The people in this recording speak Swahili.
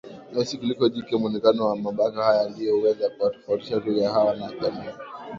meusi kuliko jike Muonekano wa mabaka haya ndio huweza kuwatofautisha twiga hawa na jamii